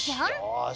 よし。